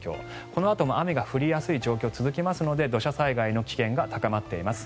このあとも雨が降りやすい状況が続きますので土砂災害の危険が高まっています。